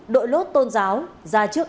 đội lốt tôn giáo ra trước